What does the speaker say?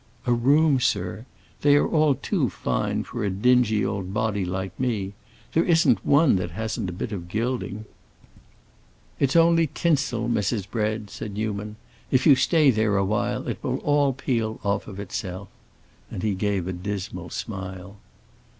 "A room, sir? They are all too fine for a dingy old body like me. There isn't one that hasn't a bit of gilding." "It's only tinsel, Mrs. Bread," said Newman. "If you stay there a while it will all peel off of itself." And he gave a dismal smile.